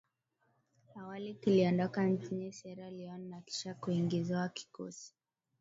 awali kiliondoka nchini Sierra Leon na kisha kuingizwa kikosi